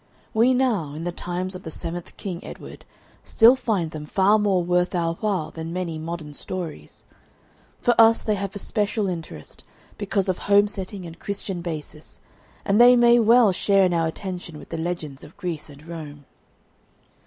We now, in the times of the seventh King Edward, still find them far more worth our while than many modern stories. For us they have a special interest, because of home setting and Christian basis, and they may well share in our attention with the legends of Greece and Rome.